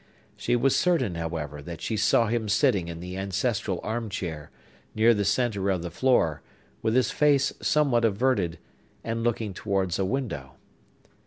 She was certain, however, that she saw him sitting in the ancestral arm chair, near the centre of the floor, with his face somewhat averted, and looking towards a window.